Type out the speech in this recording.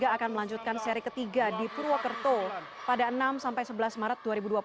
akan melanjutkan seri ketiga di purwakerto pada enam sebelas marat dua ribu dua puluh dua